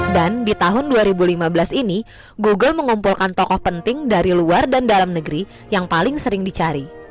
dan di tahun dua ribu lima belas ini google mengumpulkan tokoh penting dari luar dan dalam negeri yang paling sering dicari